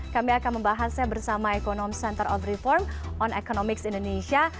kami akan membahasnya bersama ekonom center of reform on economics indonesia